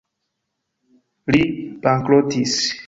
Li bankrotis.